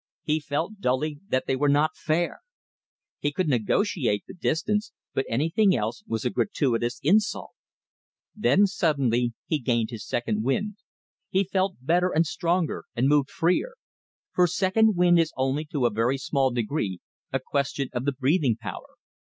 He felt dully that they were not fair. He could negotiate the distance; but anything else was a gratuitous insult. Then suddenly he gained his second wind. He felt better and stronger and moved freer. For second wind is only to a very small degree a question of the breathing power.